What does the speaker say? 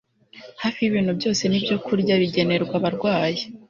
hafi yibintu byose nibyokurya bigenerwa abarwayi